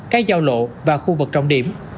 cái giao lộ và khu vực trọng điểm